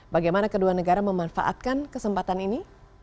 bagaimana kedua negara memanfaatkan kesempatan ini